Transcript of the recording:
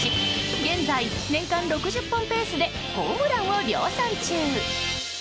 現在年間６０本ペースでホームランを量産中。